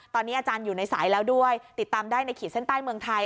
ตอนนี้อาจารย์อยู่ในสายแล้วด้วยติดตามได้ในขีดเส้นใต้เมืองไทย